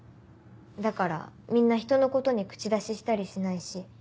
だからみんなひとのことに口出ししたりしないし。